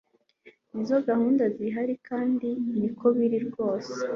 nizo gahunda zihari kandi niko biri rwose